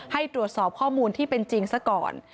ให้ตรวจสอบข้อมูลที่เป็นจริงซะก่อน